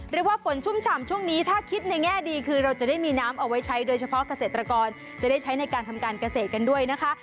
เรียกว่าฝนชุ่มฉ่ำช่วงนี้ถ้าคิดในแง่ดีคือเราจะได้มีน้ำเอาไว้ใช้โดยเฉพาะเกษตรกรจะได้ใช้ในการทำการเกษตรกันด้วยนะคะ